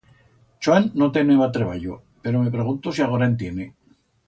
Chuan no teneba treballo, pero me pregunto si agora en tiene.